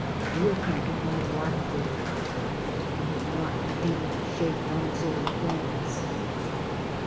We are camping on the Blackfoot. We have not been able to shake our Missouri friends.